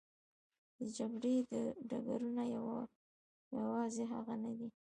د جګړې ډګرونه یوازې هغه نه دي.